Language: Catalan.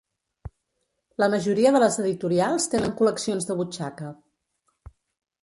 La majoria de les editorials tenen col·leccions de butxaca.